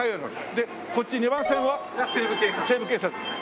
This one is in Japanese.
でこっち２番線は？が『西部警察』です。